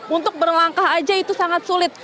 untuk berlangkah aja itu sangat sulit